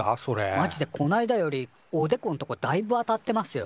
マジでこないだよりおでこんとこだいぶ当たってますよ。